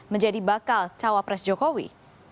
menjadi bakal cawa pres jokowi